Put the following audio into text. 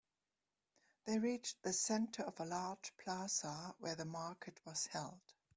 They reached the center of a large plaza where the market was held.